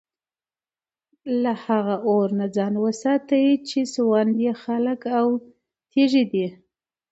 له هغه اور نه ځان وساتئ چي سوند ئې خلك او تيږي دي